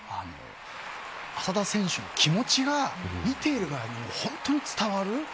浅田選手の気持ちが見ている側に本当に伝わる。